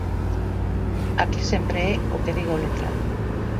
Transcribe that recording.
Aquí sempre é o que diga o letrado.